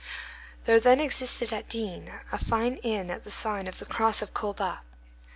There then existed at D—— a fine inn at the sign of the Cross of Colbas.